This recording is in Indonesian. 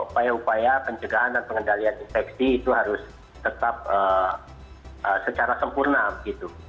upaya upaya pencegahan dan pengendalian infeksi itu harus tetap secara sempurna gitu